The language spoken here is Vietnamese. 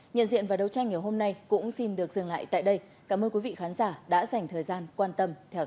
nhận diện và đấu tranh ngày hôm nay cũng xin được dừng lại tại đây cảm ơn quý vị khán giả đã dành thời gian quan tâm theo dõi